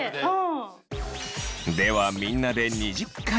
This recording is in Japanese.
ではみんなで２０回！